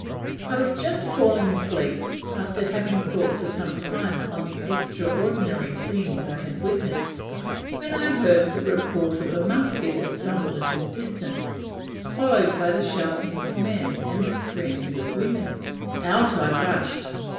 I was just falling asleep, after having thought for some time on the extraordinary scenes I had witnessed, when I heard the report of a musket at some little distance, followed by the shouting of men and the screams of women. Out I rushed.